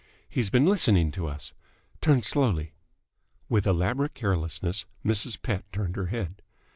He has been listening to us. Turn slowly." With elaborate carelessness, Mrs. Pett turned her head.